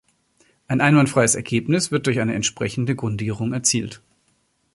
Ein einwandfreies Ergebnis wird durch eine entsprechende Grundierung erzielt.